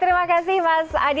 terima kasih mas adi